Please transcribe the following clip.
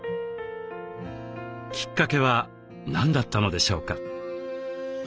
きっかけは何だったのでしょうか。